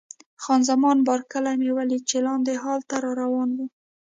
خان زمان بارکلي مې ولیده چې لاندې هال ته را روانه وه.